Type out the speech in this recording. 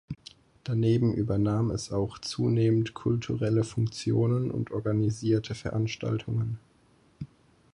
Daneben übernahm es auch zunehmend kulturelle Funktionen und organisierte Veranstaltungen.